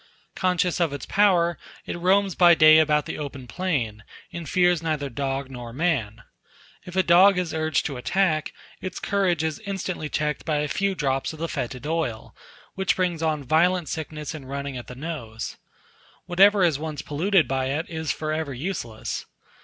Conscious of its power, it roams by day about the open plain, and fears neither dog nor man. If a dog is urged to the attack, its courage is instantly checked by a few drops of the fetid oil, which brings on violent sickness and running at the nose. Whatever is once polluted by it, is for ever useless.